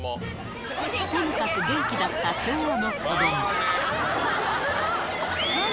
とにかく元気だった昭和の子ども。